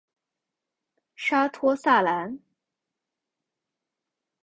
沙托萨兰。